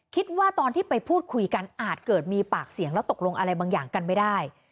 คิดว่าตอนที่ไปพูดคุยกันอาจเกิดมีปากเสียงแล้วตกลงอะไรบางอย่างกันไม่ได้